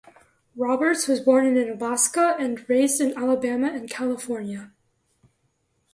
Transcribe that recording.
Roberts was born in Alaska and raised in Alabama and California.